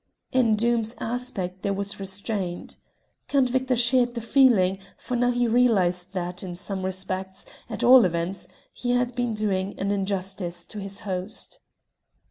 In Doom's aspect there was restraint: Count Victor shared the feeling, for now he realised that, in some respects, at all events, he had been doing an injustice to his host.